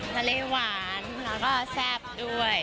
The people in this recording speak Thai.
หวานแล้วก็แซ่บด้วย